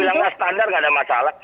kalau dibilang standar tidak ada masalah